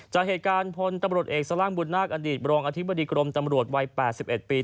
จากเหตุการณ์พลตำรวจเอกสล่างบุญนาคอดีตบรองอธิบดีกรมตำรวจวัย๘๑ปี